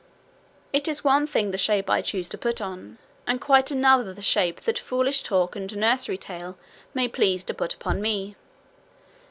It is one thing the shape I choose to put on, and quite another the shape that foolish talk and nursery tale may please to put upon me.